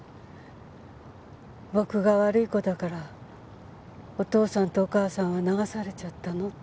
「僕が悪い子だからお父さんとお母さんは流されちゃったの？」